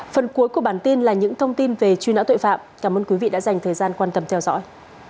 phần cuối của bản tin là những thông tin về truy nã tội phạm cảm ơn quý vị đã dành thời gian quan tâm theo dõi